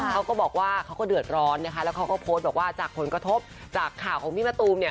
เขาก็บอกว่าเขาก็เดือดร้อนนะคะแล้วเขาก็โพสต์บอกว่าจากผลกระทบจากข่าวของพี่มะตูมเนี่ย